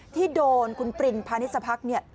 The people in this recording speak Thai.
ที่โดนคุณปริณภาณิสภักดิ์ลวงไปตื่นใจ